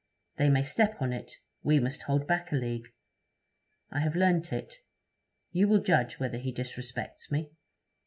They may step on it; we must hold back a league. I have learnt it. You will judge whether he disrespects me.